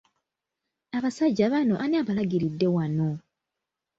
Abasajja bano ani abalagiridde wano?